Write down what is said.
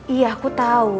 iya aku tau